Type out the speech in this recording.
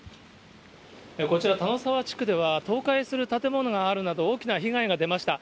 こちら、田野沢地区では倒壊する建物があるなど、大きな被害が出ました。